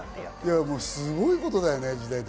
すごいことだよね。